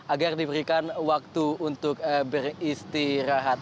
agar diberikan waktu untuk beristirahat